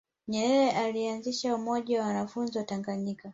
nyerere alianzisha umoja wa wanafunzi wa tanganyika